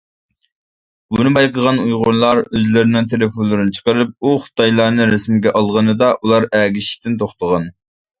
بۇنى بايقىغان ئۇيغۇرلار ئۆزلىرىنىڭ تېلېفونلىرىنى چىقىرىپ ئۇ خىتايلارنى رەسىمگە ئالغىنىدا ئۇلار ئەگىشىشتىن توختىغان.